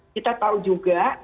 kita tahu juga